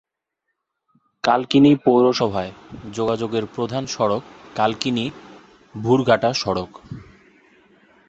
কালকিনি পৌরসভায় যোগাযোগের প্রধান সড়ক কালকিনি-ভুরঘাটা সড়ক।